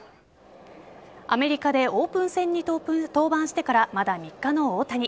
アメリカでオープン戦に登板してからまだ３日の大谷。